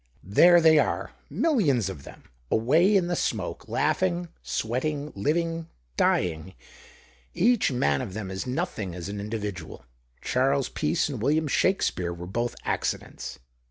" There they are, millions of them, away in the smoke, laugh ing, sweating, living, dying ! Each man of them is nothing as an individual. Charles Peace and William Shakespeare were both accidents.